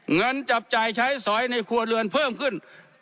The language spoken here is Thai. เงินจับจ่ายใช้สอยในครัวเรือนเพิ่มขึ้น